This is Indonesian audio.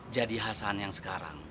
jadi hasan yang sekarang